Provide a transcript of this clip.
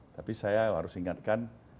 tapi saya harus ingatkan